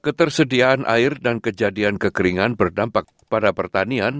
ketersediaan air dan kejadian kekeringan berdampak pada pertanian